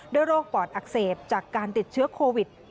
โรคปอดอักเสบจากการติดเชื้อโควิด